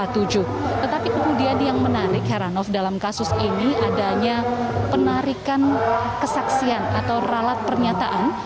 tetapi kemudian yang menarik heranov dalam kasus ini adanya penarikan kesaksian atau ralat pernyataan